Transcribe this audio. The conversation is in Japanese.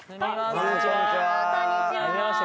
こんにちは